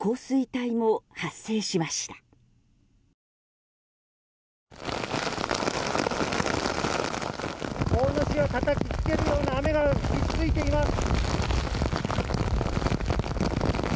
大野市はたたきつけるような雨が降り続いています。